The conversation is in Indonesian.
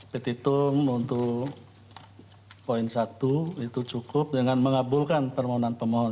petitum untuk poin satu itu cukup dengan mengabulkan permohonan pemohon